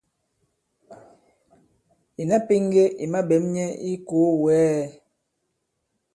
Ìna pēŋge i maɓɛ̌m nyɛ i ikòo wɛ̌ɛ!